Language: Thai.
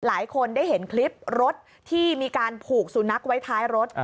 หลายคนได้เห็นคลิปรถที่มีการผูกสุนัขไว้ท้ายรถ